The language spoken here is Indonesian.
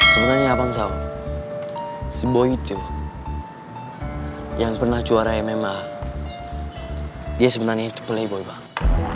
sebenernya abang tau seboy itu yang pernah juara mma dia sebenernya itu playboy banget